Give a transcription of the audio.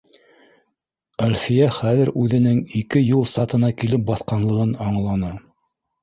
Әлфиә хәҙер үҙенең ике юл сатына килеп баҫҡанлығын аңланы